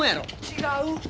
違う。